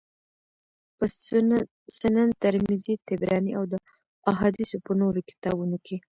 په سنن ترمذي، طبراني او د احاديثو په نورو کتابونو کي